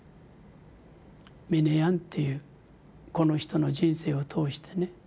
ミネヤンっていうこの人の人生を通してね